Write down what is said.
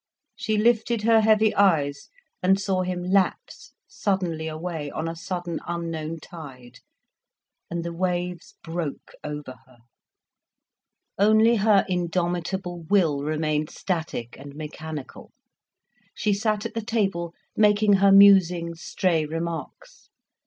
She lifted her heavy eyes and saw him lapse suddenly away, on a sudden, unknown tide, and the waves broke over her. Only her indomitable will remained static and mechanical, she sat at the table making her musing, stray remarks.